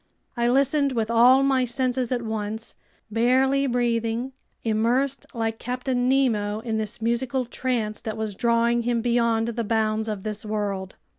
I listened with all my senses at once, barely breathing, immersed like Captain Nemo in this musical trance that was drawing him beyond the bounds of this world.